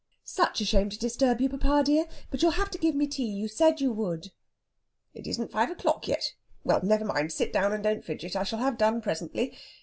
"Such a shame to disturb you, papa dear! But you'll have to give me tea you said you would." "It isn't five o'clock yet. Well never mind. Sit down and don't fidget. I shall have done presently....